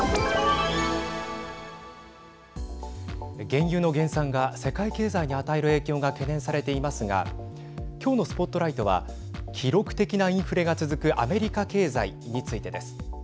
原油の減産が世界経済に与える影響が懸念されていますが今日のＳＰＯＴＬＩＧＨＴは記録的なインフレが続くアメリカ経済についてです。